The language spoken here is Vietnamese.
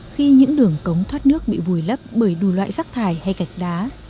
khi những đường cống thoát nước bị vùi lấp bởi đủ loại rác thải hay gạch đá